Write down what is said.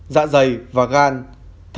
dạ dày và mắt